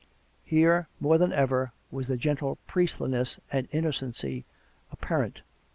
Here, more than ever, was the gentle priestliness and innocency apparent.